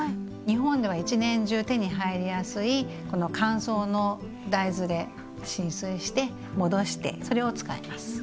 日本では一年中手に入りやすいこの乾燥の大豆で浸水して戻してそれを使います。